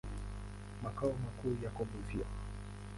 Makao makuu yako Busia.